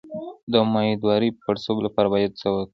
د امیدوارۍ د پړسوب لپاره باید څه وکړم؟